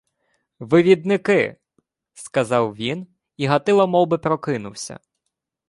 — Вивідники, — сказав він, і Гатило мовби прокинувся.